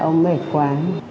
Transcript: ông mệt quá